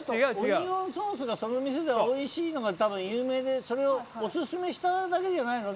オニオンソースがその店ではおいしいのが多分有名でそれをオススメしただけじゃないの？